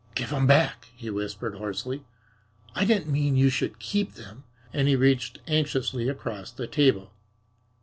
"Give 'em back," he whispered hoarsely. "I didn't mean you should keep them," and he reached anxiously across the table.